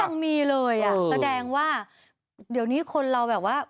ยังมีเลยอ่ะแสดงว่าเดี๋ยวนี้คนเราแบบว่า